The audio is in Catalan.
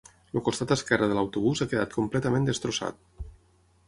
El costat esquerre de l’autobús ha quedat completament destrossat.